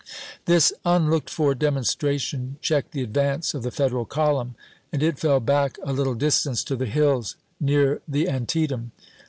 This unlooked for demonstration checked the advance of the Federal column, and it fell back a little distance to the hills near the Antietam.